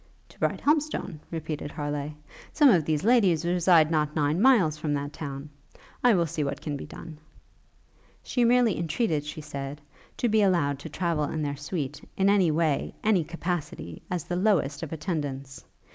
'To Brighthelmstone?' repeated Harleigh; 'some of these ladies reside not nine miles from that town. I will see what can be done.' She merely entreated, she said, to be allowed to travel in their suite, in any way, any capacity, as the lowest of attendants.